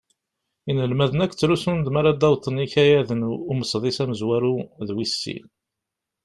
Inelmaden akk ttrusun-d mi ara d-awwḍen yikayaden n umesḍis amezwaru d wis sin.